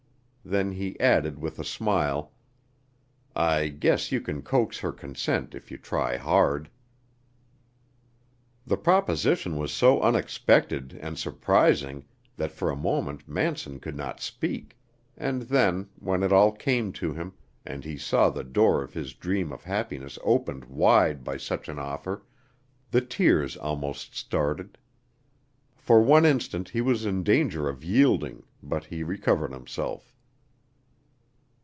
Then he added, with a smile, "I guess you can coax her consent if you try hard." The proposition was so unexpected and surprising that for a moment Manson could not speak, and then, when it all came to him, and he saw the door of his dream of happiness opened wide by such an offer, the tears almost started. For one instant he was in danger of yielding, but he recovered himself.